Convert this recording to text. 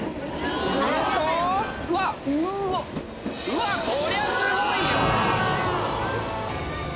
うわっ⁉こりゃすごいよ！